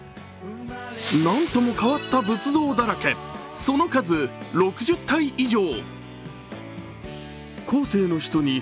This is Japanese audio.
なんとも変わった仏像だらけ、その数６０体以上。